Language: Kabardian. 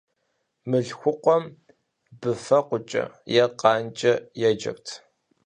Мылъхукъуэм быфэкъуэкӏэ, е къанкӀэ еджэрт.